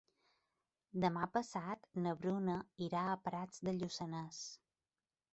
Demà passat na Bruna irà a Prats de Lluçanès.